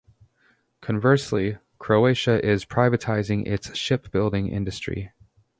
Conversely, Croatia is privatising its shipbuilding industry.